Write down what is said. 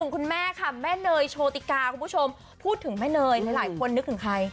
คุณแม่ค่ะแม่เนยโชติกาคุณผู้ชมพูดถึงแม่เนยหลายคนนึกถึงใคร